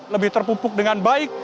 lebih terpupuk dengan baik